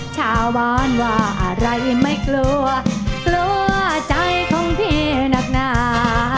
ชาวบ้านว่าอะไรไม่กลัวกลัวใจของพี่นักหนา